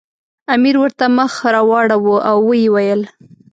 امیر ورته مخ راواړاوه او ویې ویل.